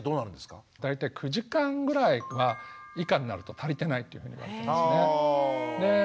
大体９時間ぐらいは以下になると足りてないというふうにいわれてますね。